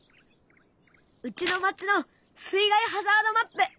うちの町の水害ハザードマップ！